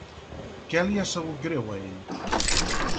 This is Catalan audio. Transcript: Què li ha sabut greu a ell?